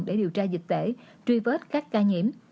để điều tra dịch tễ truy vết các ca nhiễm